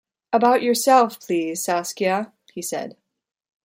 "About yourself, please, Saskia," he said.